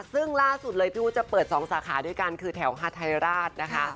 ซึ่งล่าสุดเลยพี่อุ๊จะเปิด๒สาขาด้วยกันคือแถวฮาไทราชนะคะ